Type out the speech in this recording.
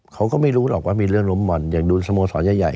เขาก็ไม่รู้หรอกว่ามีเรื่องล้มบ่อนอย่างดูสโมสรใหญ่